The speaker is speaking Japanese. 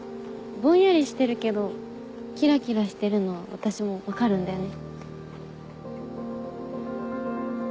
ぼんやりしてるけどキラキラしてるのは私も分かるんだよね。